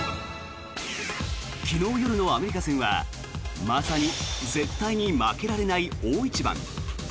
昨日夜のアメリカ戦はまさに絶対に負けられない大一番。